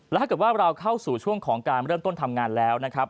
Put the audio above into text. ถ้าเกิดว่าเราเข้าสู่ช่วงของการเริ่มต้นทำงานแล้วนะครับ